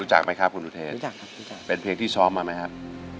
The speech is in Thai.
รู้จักไหมครับคุณอุเทนรู้จักครับรู้จักเป็นเพลงที่ซ้อมมาไหมครับ